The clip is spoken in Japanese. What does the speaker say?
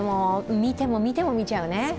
見ても見ても見ちゃうね。